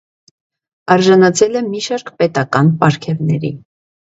Արժանացել է մի շարք պետական պարգևների։